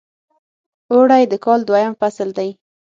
اوړی د کال دویم فصل دی .